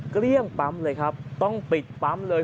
กระเบี้ยงปั๊มเลยต้องปิดปั๊มเลย